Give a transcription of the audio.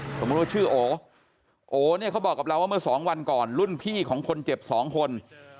สมมุติว่าชื่อโอโอเนี่ยเขาบอกกับเราว่าเมื่อสองวันก่อนรุ่นพี่ของคนเจ็บสองคน